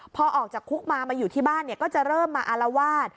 พอออกจากคุกมามาอยู่ที่บ้านก็จะเริ่มมาอารวาส